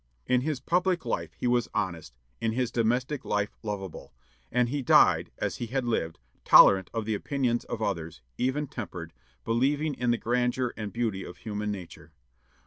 In his public life he was honest, in his domestic life lovable, and he died, as he had lived, tolerant of the opinions of others, even tempered, believing in the grandeur and beauty of human nature.